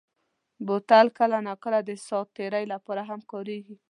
بوتل کله ناکله د ساعت تېرۍ لپاره هم کارېږي.